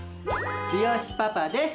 つよしパパです。